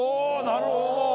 なるほど！